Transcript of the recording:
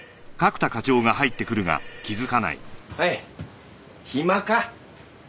おい暇か？